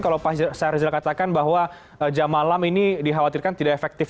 kalau pak syahrizal katakan bahwa jam malam ini dikhawatirkan tidak efektif